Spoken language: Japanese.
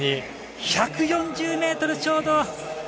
１４０ｍちょうど。